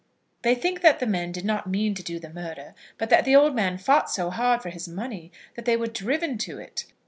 They think that the men did not mean to do the murder, but that the old man fought so hard for his money that they were driven to it.